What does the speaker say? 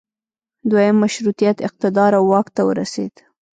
دویم مشروطیت اقتدار او واک ته ورسید.